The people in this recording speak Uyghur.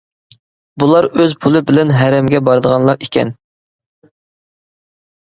بۇلار ئۆز پۇلى بىلەن ھەرەمگە بارىدىغانلار ئىكەن.